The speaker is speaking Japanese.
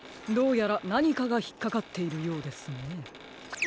どうやらなにかがひっかかっているようですね。